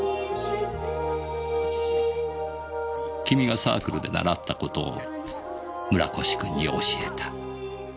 君がサークルで習った事を村越君に教えた。